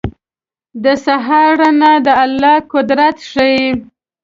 • د سهار رڼا د الله قدرت ښيي.